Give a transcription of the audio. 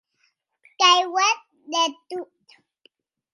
Qu’ei uet de tot.